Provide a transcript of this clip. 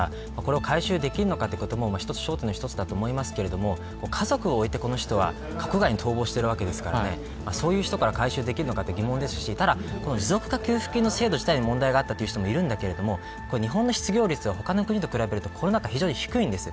ある種、国とか国民が被害者なわけですから、これを回収できるのかということも一つ焦点だと思いますが家族を置いて国外に逃亡しているわけですからそういう人から回収できるのかって疑問ですしただ、持続化給付金制度自体に問題があったという人もいるけど日本の失業率は他の国と比べると低いんです。